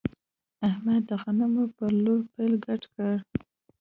احمد د غنو پر لو پیل ګډ کړ.